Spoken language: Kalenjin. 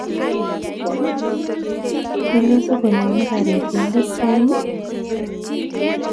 Mekose konyoni karit eng let nenyoo?